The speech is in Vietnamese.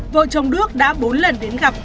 vợ chồng đức đã bốn lần đến gặp